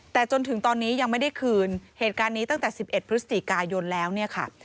แต่จนถึงตอนนี้ยังไม่ได้คืนเหตุการณ์นี้ตั้งแต่๑๑พฤศจิกายนแล้วเนี่ยค่ะ